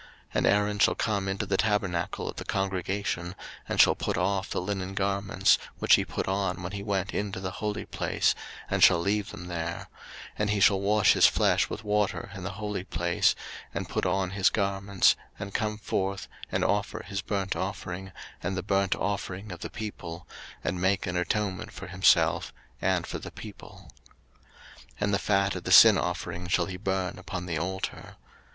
03:016:023 And Aaron shall come into the tabernacle of the congregation, and shall put off the linen garments, which he put on when he went into the holy place, and shall leave them there: 03:016:024 And he shall wash his flesh with water in the holy place, and put on his garments, and come forth, and offer his burnt offering, and the burnt offering of the people, and make an atonement for himself, and for the people. 03:016:025 And the fat of the sin offering shall he burn upon the altar.